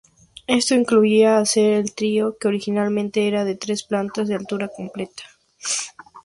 Esto incluía hacer el atrio, que originalmente era de tres plantas, de altura completa.